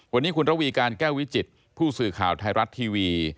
วันนี้คุณระวีการแก้ววิจิตผู้สื่อข่าวไทยรัฐทีวี